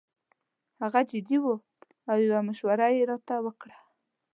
هغه جدي وو او یو مشوره یې راته ورکړه.